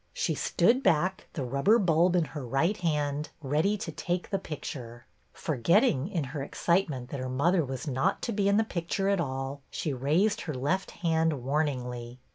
She stood back, the rubber bulb in her right hand, ready to take the picture. Forgetting, in her ex citement, that her mother was not to be in the picture at all, she raised her left hand warningly.